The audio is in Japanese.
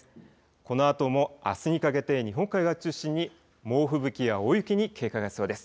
このあともあすにかけて日本海側中心に猛吹雪や大雪に警戒が必要です。